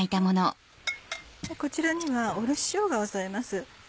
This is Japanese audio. こちらにはおろししょうがを添えます。